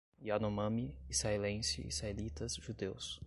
Yanomami, israelense, israelitas, judeus